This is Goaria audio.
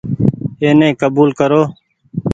اي ني ڪبول ڪرو ۔